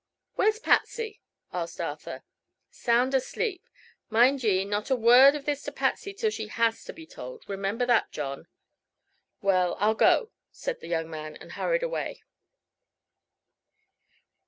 "Where's Patsy?" asked Arthur. "Sound asleep. Mind ye, not a word of this to Patsy till she has to be told. Remember that, John." "Well, I'll go," said the young man, and hurried away.